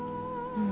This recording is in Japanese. うん。